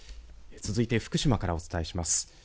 続いて福島からお伝えします。